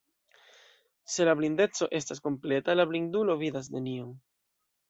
Se la blindeco estas kompleta, la blindulo vidas nenion.